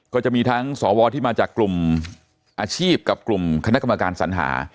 ก็จะมีทั้งสวที่มาจากกลุ่มอาชีพกับกลุ่มคณะกรรมการสัญหา